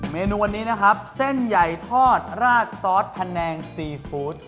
เมนูวันนี้นะครับเส้นใหญ่ทอดราดซอสพะแนงซีฟู้ด